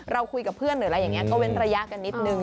คุยกับเพื่อนหรืออะไรอย่างนี้ก็เว้นระยะกันนิดนึง